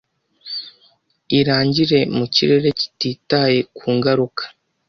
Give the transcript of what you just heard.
irangire mu kirere kititaye ku ngaruka